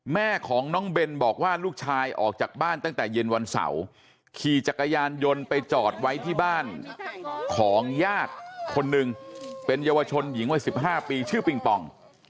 แม่ของน้องเบนบอกว่าลูกชายออกจากบ้านตั้งแต่เย็นวันเสาร์ขี่จักรยานยนต์ไปจอดไว้ที่บ้านของญาติคนหนึ่งเป็นเยาวชนหญิงวัย๑๕ปีชื่อปิงปอง